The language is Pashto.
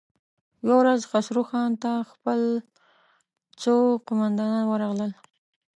يوه ورځ خسرو خان ته خپل څو قوماندان ورغلل.